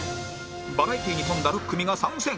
バラエティーに富んだ６組が参戦